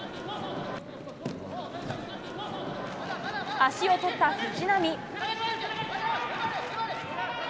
足を取った藤波。